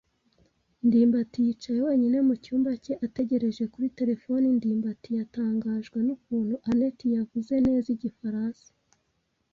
ndimbati yicaye wenyine mu cyumba cye, ategereje kuri terefone. ndimbati yatangajwe n'ukuntu anet yavuze neza Igifaransa.